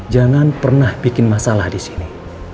jangan pernah bikin masalah disini